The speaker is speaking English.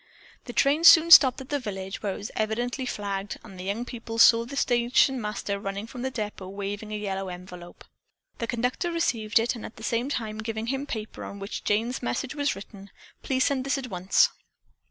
The train soon stopped at a village, where it was evidently flagged, and the young people saw the station master running from the depot waving a yellow envelope. The conductor received it, at the same time giving him the paper on which Jane's message was written. "Please send this at once."